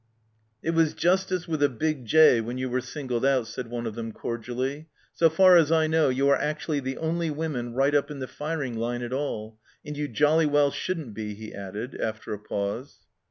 " It was Justice with a big * J ' when you were singled out," said one of them cordially. " So far as I know, you are actually the only women right up in the firing line at all and you jolly well shouldn't be," he added, after a pause.